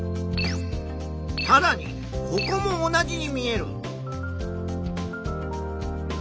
さらにここも同じに見える。